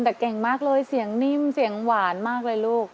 แต่เก่งมากเลยเสียงนิ่มเสียงหวานมากเลยลูก